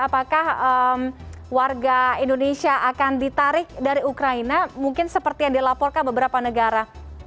apakah warga indonesia akan ditarik dari ukraina mungkin seperti yang dilaporkan beberapa negara